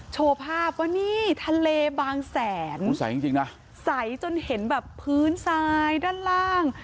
โชว์ภาพว่านี่ทะเลบางแสนจริงนะใสจนเห็นแบบพื้นทรายด้านล่าง